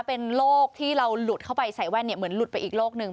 เป็นโรคที่เราหลุดเข้าไปใส่แว่นเหมือนหลุดไปอีกโลกหนึ่ง